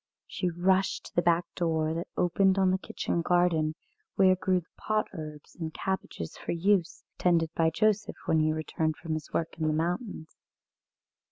She rushed to the back door that opened on a kitchen garden, where grew the pot herbs and cabbages for use, tended by Joseph when he returned from his work in the mountains.